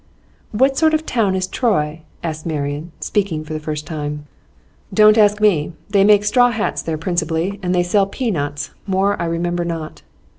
'What sort of a town is Troy?' asked Marian, speaking for the first time. 'Don't ask me. They make straw hats there principally, and they sell pea nuts. More I remember not.